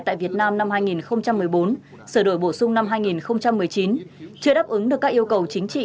tại việt nam năm hai nghìn một mươi bốn sửa đổi bổ sung năm hai nghìn một mươi chín chưa đáp ứng được các yêu cầu chính trị